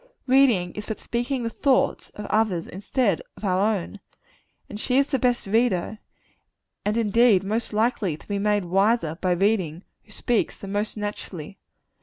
Reading is but speaking the thoughts of others instead of our own; and she is the best reader and indeed most likely to be made wiser by reading who speaks the most naturally.